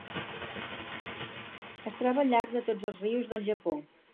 Es troba al llarg de tots els rius del Japó.